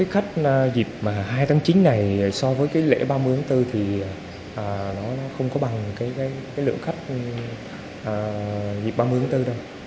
khách dịp hai tháng chín này so với cái lễ ba mươi tháng bốn thì nó không có bằng lượng khách dịp ba mươi tháng bốn đâu